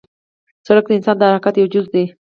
سړک د انسان د حرکت یو جز دی.